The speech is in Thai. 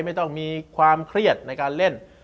ไม่ต้องมีความเครียดในการเล่น